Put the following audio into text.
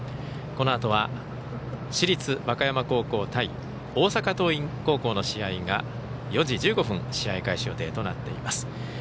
このあとは市立和歌山高校対大阪桐蔭高校の試合が４時１５分試合開始予定となっています。